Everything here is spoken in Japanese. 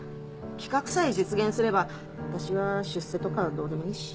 企画さえ実現すれば私は出世とかどうでもいいし。